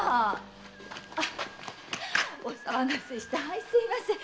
お騒がせしてあいすみません。